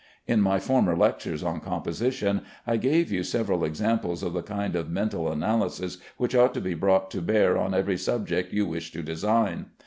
In my former lectures on composition, I gave you several examples of the kind of mental analysis which ought to be brought to bear on every subject you wish to design.